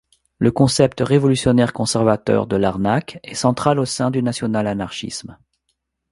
Le concept révolutionnaire-conservateur de l'anarque est central au sein du national-anarchisme.